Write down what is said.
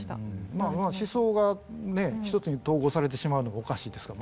まあまあ思想がね一つに統合されてしまうのがおかしいですから。